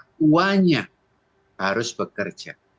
orang tuanya harus bekerja